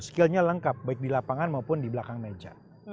skillnya lengkap baik di lapangan maupun di belakang meja